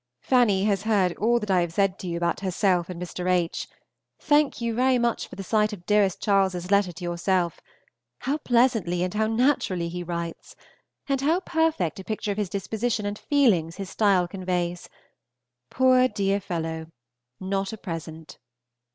Fanny has heard all that I have said to you about herself and Mr. H. Thank you very much for the sight of dearest Charles's letter to yourself. How pleasantly and how naturally he writes! and how perfect a picture of his disposition and feelings his style conveys! Poor dear fellow! Not a present!